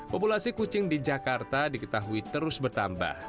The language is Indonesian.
populasi kucing di jakarta diketahui terus bertambah